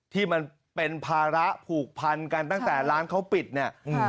ที่มันเป็นภาระผูกพันกันตั้งแต่ร้านเขาปิดเนี่ยอืม